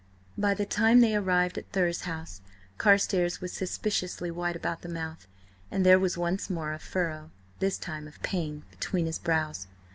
By the time they arrived at Thurze House, Carstares was suspiciously white about the mouth, and there was once more a furrow–this time of pain–between his brows.